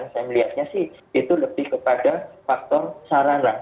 saya melihatnya sih itu lebih kepada faktor sarana